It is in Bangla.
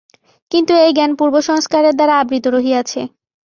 কিন্তু এই জ্ঞান পূর্বসংস্কারের দ্বারা আবৃত রহিয়াছে।